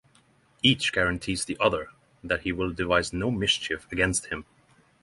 Each guarantees the other that he will devise no mischief against him.